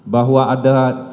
bahwa ada sebuah percobaan